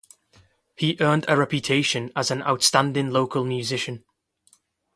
He earned a reputation as an outstanding local musician.